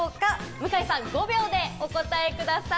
向井さん、５秒でお答えください。